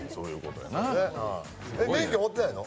免許持ってないの？